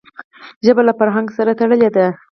ژبه له خپل فرهنګ سره تړلي ده.